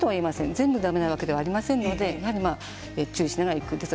全部だめではありませんので注意をしながらやってください。